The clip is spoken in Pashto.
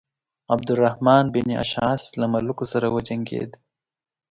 عبدالرحمن بن اشعث له ملوکو سره وجنګېد.